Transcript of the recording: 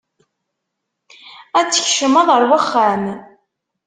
Ad tkecmeḍ ar waxxam.